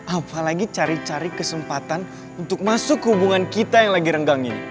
apalagi cari cari kesempatan untuk masuk hubungan kita yang lagi renggang ini